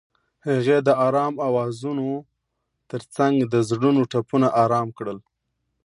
هغې د آرام اوازونو ترڅنګ د زړونو ټپونه آرام کړل.